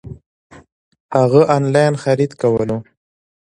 هغه انلاين خريد کولو